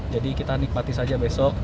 jadi kita nikmati saja besok